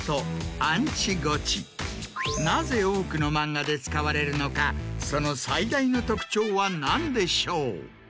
なぜ多くの漫画で使われるのかその最大の特徴は何でしょう？